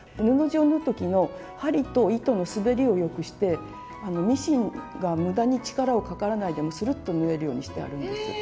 布地を縫う時の針と糸の滑りをよくしてミシンが無駄に力をかからないでもスルッと縫えるようにしてあるんです。